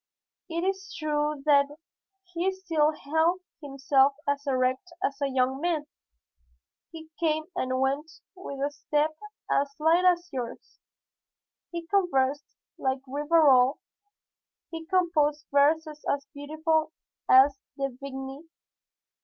It is true that he still held himself as erect as a young man, he came and went with a step as light as yours, he conversed like Rivarol, he composed verses as beautiful as De Vigny's.